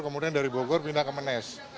kemudian dari bogor pindah ke menes